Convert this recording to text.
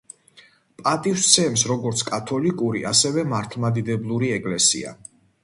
პატივს სცემს როგორც კათოლიკური, ასევე მართლმადიდებლური ეკლესია.